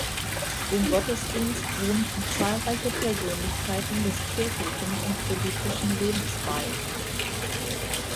Dem Gottesdienst wohnten zahlreiche Persönlichkeiten des kirchlichen und politischen Lebens bei.